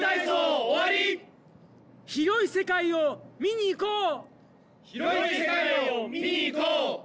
広い世界を見にいこう！